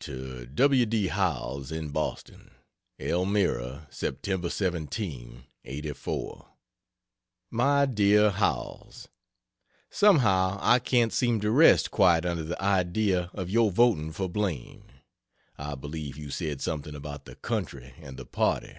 To W. D. Howells, in Boston: ELMIRA, Sept. 17, '84. MY DEAR HOWELLS, Somehow I can't seem to rest quiet under the idea of your voting for Blaine. I believe you said something about the country and the party.